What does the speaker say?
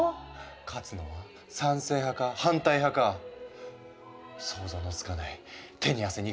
勝つのは賛成派か反対派か想像のつかない手に汗握る展開。